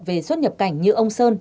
về xuất nhập cảnh như ông sơn